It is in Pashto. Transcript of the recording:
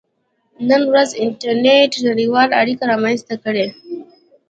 • نن ورځ انټرنېټ نړیوالې اړیکې رامنځته کړې.